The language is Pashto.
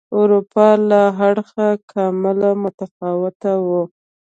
اروپا له اړخه کاملا متفاوته وه.